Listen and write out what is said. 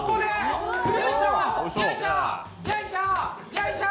よいしょ！